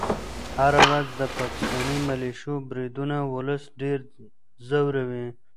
هره ورځ د پاکستاني ملیشو بریدونه ولس ډېر ځوروي.